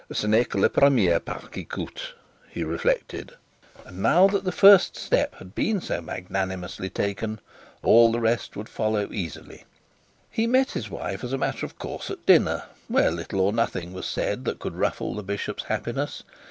'Ce n'est que le premier pas qui coute', he reflected; and now that his first step had been so magnanimously taken, all the rest would follow easily. He met his wife as a matter of course at dinner, where little or nothing was said that could ruffle the bishop's happiness.